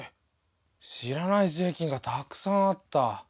知らない税金がたくさんあった。